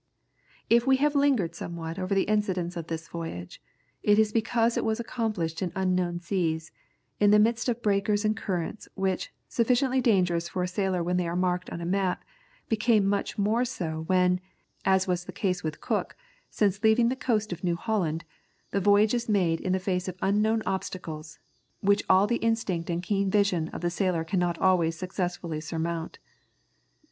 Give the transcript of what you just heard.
If we have lingered somewhat over the incidents of this voyage, it is because it was accomplished in unknown seas, in the midst of breakers and currents, which, sufficiently dangerous for a sailor when they are marked on a map, become much more so when, as was the case with Cook, since leaving the coast of New Holland, the voyage is made in the face of unknown obstacles, which all the instinct and keen vision of the sailor cannot always successfully surmount.